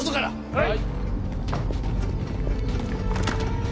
はい！